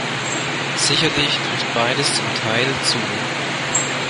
Sicherlich trifft beides zum Teil zu.